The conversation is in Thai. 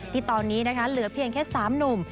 ที่ตอนนี้นะคะเหลือเพียงแค่๓หนุ่ม